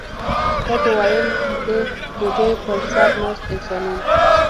تا به ویل د بوجیو پر سر ناست انسانان.